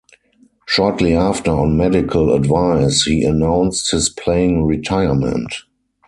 Shortly after, on medical advice, he announced his playing retirement.